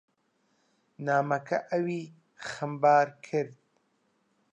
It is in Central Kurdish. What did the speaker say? نامەکە ئەوی خەمبار کرد.